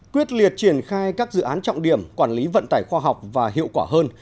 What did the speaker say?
quyết liệt triển khai các dự án trọng điểm quản lý vận tải khoa học và hiệu quả hơn